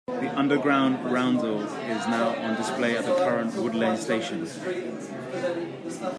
The Underground roundel is now on display at the current Wood Lane station.